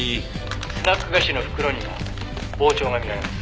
「スナック菓子の袋にも膨張が見られます」